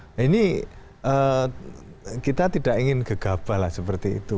nah ini kita tidak ingin gegabah lah seperti itu